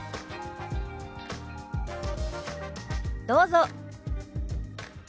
どうぞ。